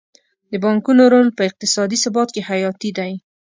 د بانکونو رول په اقتصادي ثبات کې حیاتي دی.